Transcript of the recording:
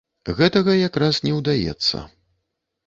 Гэтага якраз не ўдаецца.